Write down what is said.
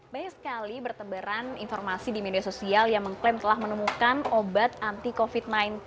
banyak sekali bertebaran informasi di media sosial yang mengklaim telah menemukan obat anti covid sembilan belas